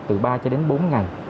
từ ba cho đến bốn ngày